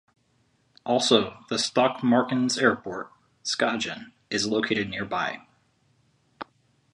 Also, the Stokmarknes Airport, Skagen, is located nearby.